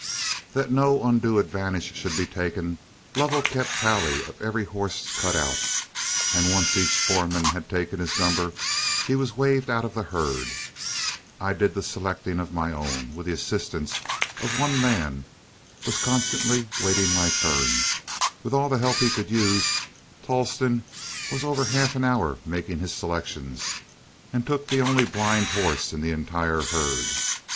That no undue advantage should be taken, Lovell kept tally of every horse cut out, and once each foreman had taken his number, he was waved out of the herd. I did the selecting of my own, and with the assistance of one man, was constantly waiting my turn. With all the help he could use, Tolleston was over half an hour making his selections, and took the only blind horse in the entire herd.